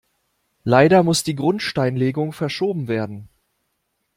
Leider muss die Grundsteinlegung verschoben werden.